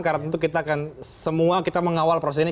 karena tentu kita akan semua kita mengawal proses ini